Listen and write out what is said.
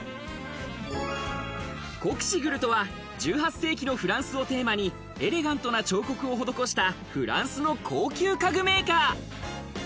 コクシグルとは１８世紀のフランスをテーマに、エレガントな彫刻を施したフランスの高級家具メーカー。